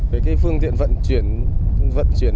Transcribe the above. với cái phương tiện vận chuyển